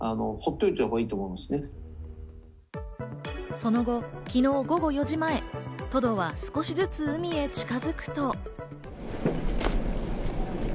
その後、昨日午後４時前、トドは少しずつ海へ近づくと。